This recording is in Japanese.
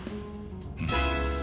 うん。